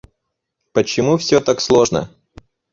Почему всё так сложно?